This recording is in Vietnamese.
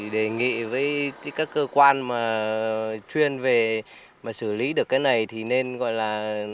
đề nghị với các cơ quan chuyên về xử lý được cái này thì nên gọi là